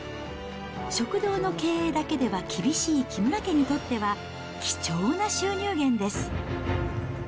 食堂の経営だけでは厳しい木村家にとっては、貴重な収入源です。